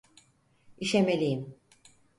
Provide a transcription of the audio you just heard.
İşemeliyim.